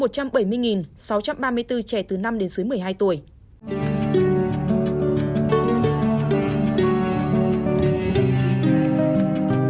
trong đó có hai mươi bốn trẻ từ năm đến dưới một mươi hai tuổi